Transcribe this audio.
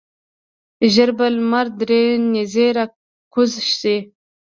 ژر به لمر درې نیزې راکوز شي.